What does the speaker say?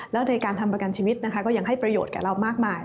แล้วในการทำประกันชีวิตนะคะก็ยังให้ประโยชน์กับเรามากมาย